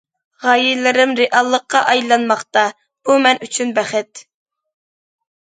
غايىلىرىم رېئاللىققا ئايلانماقتا، بۇ مەن ئۈچۈن بەخت!